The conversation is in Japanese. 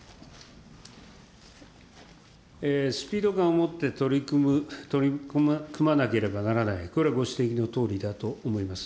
スピード感を持って取り組まなければならない、これ、ご指摘のとおりだと思います。